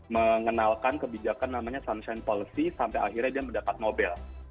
mengenalkan kebijakan namanya sunshine policy sampai akhirnya dia mendapat nobel